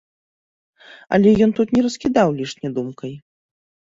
Але ён тут не раскідаў лішне думкай.